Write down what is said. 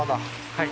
はい。